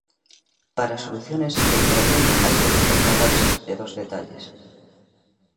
Para soluciones el problema hay que percatarse de dos detalles.